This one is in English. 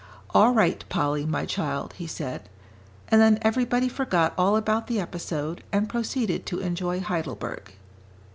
"All right, Polly, my child," he said. And then everybody forgot all about the episode and proceeded to enjoy Heidelberg.